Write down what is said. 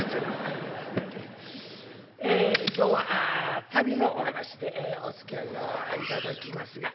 今日は旅のお噺でおつきあいを頂きますが。